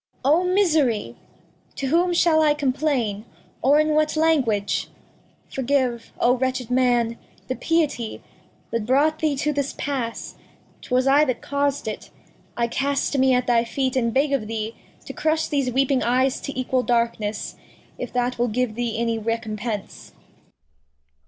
Cor A. O Misery! To whom shall I complain, or in what Language ? Forgive, O wretched Man, the Piety That brought thee to this Pass, 'twas I that caus'd it ; I cast me at thy Feet and beg of thee To crush these weeping Eyes to equal Darkness, If that will give thee any Recompence.